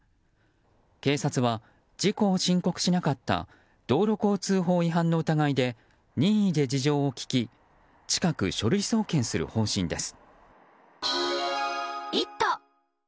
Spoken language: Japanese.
警察は事故を申告しなかった道路交通法違反の疑いで任意で事情を聴き近く、書類送検をする方針です。